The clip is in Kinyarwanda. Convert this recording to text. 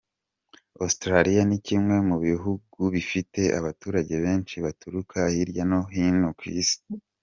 Australia ni kimwe mu bihugu bifite abaturage benshi baturuka hirya no hino ku isi.